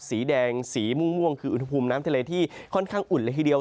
สีแดงสีม่วงคืออุณหภูมิน้ำทะเลที่ค่อนข้างอุ่นเลยทีเดียว